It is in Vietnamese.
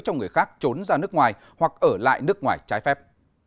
cho người khác trốn ra nước ngoài hoặc ở lại nước ngoài trái phép